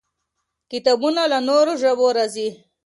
کتابونه له نورو ژبو راځي.